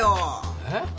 えっ？